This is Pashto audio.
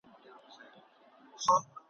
چي د سپي سترګي سوې خلاصي په غپا سو ,